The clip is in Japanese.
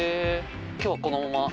今日はこのまま帰る？